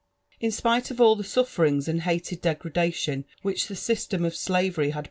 In spite of all the auflfefws lugs Hod hated degradation which the system of slavery had.